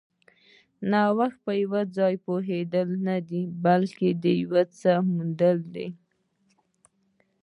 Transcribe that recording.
نوښت په یو څه پوهېدل نه دي، بلکې د یو څه موندل دي.